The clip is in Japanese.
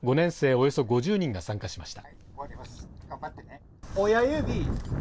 およそ５０人が参加しました。